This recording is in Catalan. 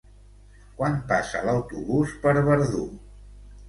Quan passa l'autobús per Verdú?